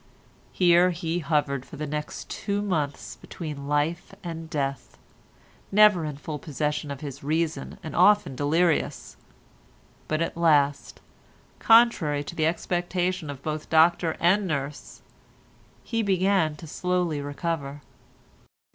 Here he hovered for the next two months between life and death, never in full possession of his reason and often delirious, but at last, contrary to the expectation of both doctor and nurse, he began slowly to recover.